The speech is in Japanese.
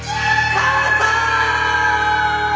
母さーん！！